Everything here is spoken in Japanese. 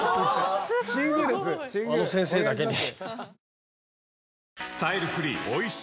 あの先生だけに。